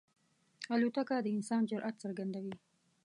الوتکه د انسان جرئت څرګندوي.